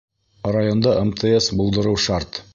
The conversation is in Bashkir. Районда МТС булдырыу шарт.